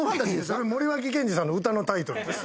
それ森脇健児さんの歌のタイトルです。